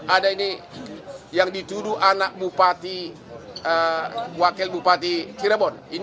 ada ini yang dituduh anak bupati wakil bupati cirebon